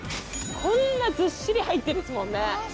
こんなずっしり入ってですもんね。